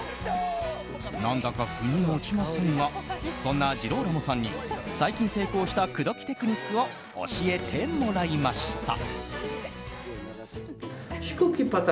何だか腑に落ちませんがそんなジローラモさんに最近成功した口説きテクニックを教えてもらいました。